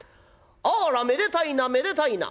『あらめでたいなめでたいな。